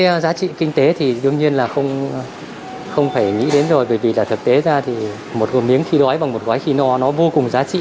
cái giá trị kinh tế thì đương nhiên là không phải nghĩ đến rồi bởi vì là thực tế ra thì một gồm miếng khi đói bằng một gói khi no nó vô cùng giá trị